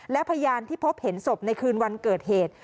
และพยานที่พบเห็นศพในคืนวันเกิดเหตุ